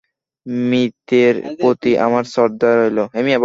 মৃতের প্রতি আমার শ্রদ্ধা রইল।